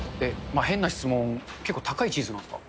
変な質問、結構、高いチーズなんですか？